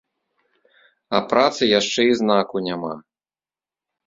А працы яшчэ і знаку няма.